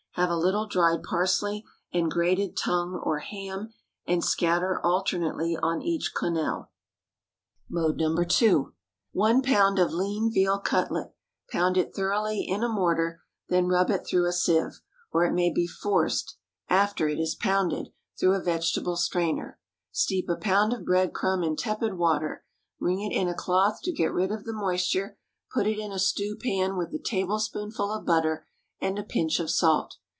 Have a little dried parsley and grated tongue or ham, and scatter alternately on each quenelle. Mode No. 2. One pound of lean veal cutlet; pound it thoroughly in a mortar; then rub it through a sieve, or it may be forced (after it is pounded) through a vegetable strainer. Steep a pound of bread crumb in tepid water; wring it in a cloth to get rid of the moisture; put it in a stewpan with a tablespoonful of butter and a pinch of salt.